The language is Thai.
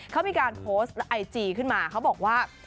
เขามีการโพสต์ไอจีขึ้นมาเขาบอกว่า